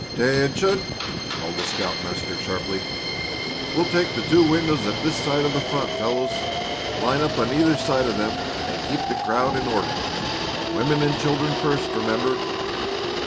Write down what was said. "'Tention!" called the scoutmaster, sharply. "We'll take the two windows at this side of the front, fellows. Line up on either side of them, and keep the crowd in order. Women and children first, remember.